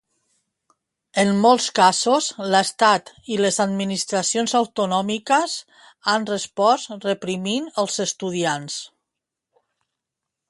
En molts casos, l'estat i les administracions autonòmiques han respost reprimint els estudiants.